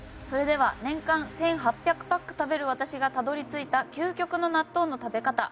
それでは年間１８００パック食べる私がたどり着いた究極の納豆の食べ方。